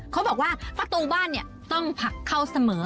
เขาบอกว่าประตูบ้านต้องผลักเข้าเสมอ